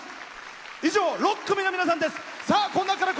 以上、６組の皆さんです。